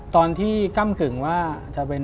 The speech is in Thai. ตอนที่ก้ำกึ่งว่าจะเป็น